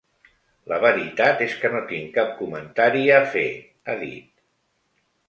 La veritat és que no tinc cap comentari a fer, ha dit.